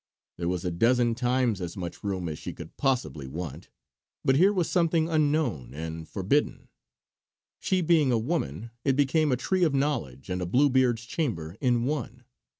There was a dozen times as much room as she could possibly want; but here was something unknown and forbidden. She being a woman, it became a Tree of Knowledge and a Bluebeard's Chamber in one.